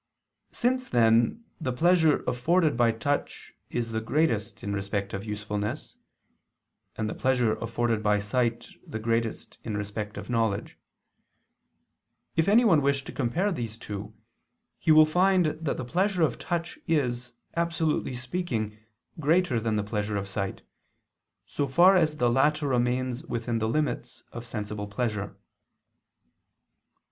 Since then the pleasure afforded by touch is the greatest in respect of usefulness, and the pleasure afforded by sight the greatest in respect of knowledge; if anyone wish to compare these two, he will find that the pleasure of touch is, absolutely speaking, greater than the pleasure of sight, so far as the latter remains within the limits of sensible pleasure.